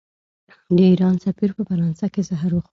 د ایران سفیر په فرانسه کې زهر وخوړل.